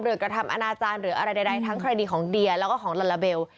กระทำอนาจารย์หรืออะไรใดทั้งคดีของเดียแล้วก็ของลาลาเบล